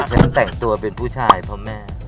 ฉันแต่งตัวเป็นผู้ชายเพราะแม่